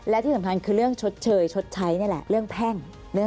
และที่สำคัญคือเรื่องชดเชยชดใช้นี่แหละเรื่องแพ่ง